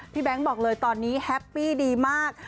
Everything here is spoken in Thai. แบงค์บอกเลยตอนนี้แฮปปี้ดีมาก